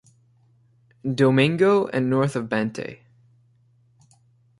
Domingo and north of Bantay.